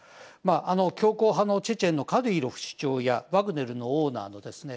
強硬派のチェチェンのカディロフ首長やワグネルのオーナーのですね